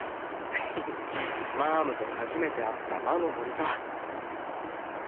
ヘヘマァムと初めて会った魔の森さ。